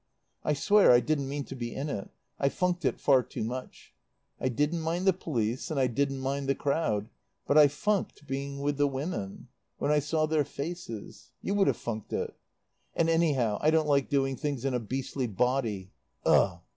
I swear I didn't mean to be in it. I funked it far too much. I didn't mind the police and I didn't mind the crowd. But I funked being with the women. When I saw their faces. You world have funked it. "And anyhow I don't like doing things in a beastly body. Ugh!